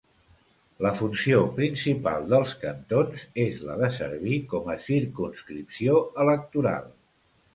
La funció principal dels cantons és la de servir com a circumscripció electoral.